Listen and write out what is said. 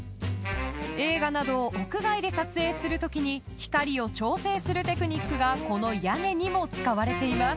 ［映画などを屋外で撮影するときに光を調整するテクニックがこの屋根にも使われています］